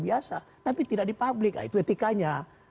biasa tapi tidak di publik itu etikanya